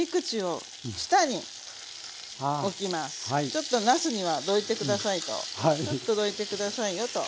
ちょっとなすにはどいて下さいとちょっとどいて下さいよと。